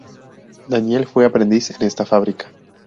Daniel fue aprendiz en esta fábrica.